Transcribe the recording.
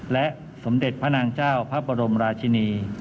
และสมเด็จพระนางเจ้าพระบรมราชินี